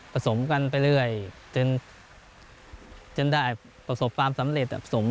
สมกันไปเรื่อยจนได้ประสบความสำเร็จ